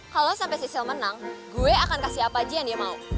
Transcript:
kalau sampai si sale menang gue akan kasih apa aja yang dia mau